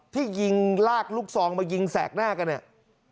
ที่ยิงลากลูกซองมายิงแสกหน้ากันเนี่ย